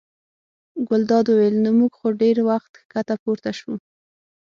ګلداد وویل: نو موږ خو ډېر وخت ښکته پورته شوو.